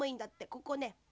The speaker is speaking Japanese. ここね。